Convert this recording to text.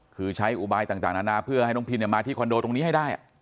คือใช้อุบายต่างนานาเพื่อให้น้องพินมาที่คอนโดตรงนี้ให้ได้